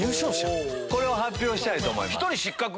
これを発表したいと思います。